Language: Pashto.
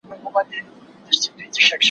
ته کم عقل ته کومول څومره ساده یې